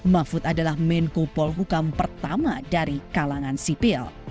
mahfud adalah menkupol hukum pertama di indonesia